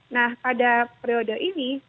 nah pada periode ini sungguh sangat banyak